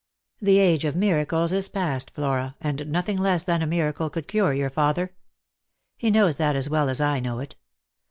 "The age of miracles is past, Flora, and nothing less than a miracle could cure your father. He knows that as well as I know it.